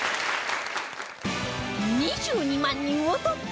２２万人を突破！